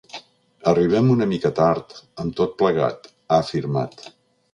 Arribem una mica tard amb tot plegat, ha afirmat.